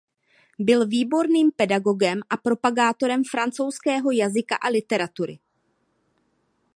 Byl výborným pedagogem a propagátorem francouzského jazyka a literatury.